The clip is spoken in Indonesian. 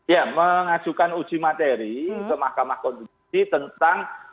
ya mengajukan uji materi ke mahkamah konstitusi tentang